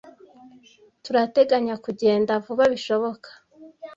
Turateganya kugenda vuba bishoboka.